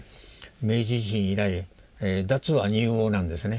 明治維新以来脱亜入欧なんですね。